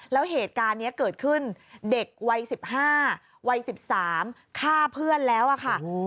แล้วเหตุการณ์นี้เกิดขึ้นเด็กวัย๑๕วัย๑๓ฆ่าเพื่อนแล้วอะค่ะ